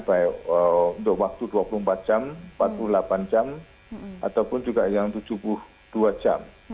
baik untuk waktu dua puluh empat jam empat puluh delapan jam ataupun juga yang tujuh puluh dua jam